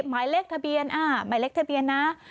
หมายเลขทะเบียนนะ